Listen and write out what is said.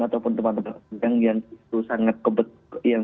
ataupun teman teman yang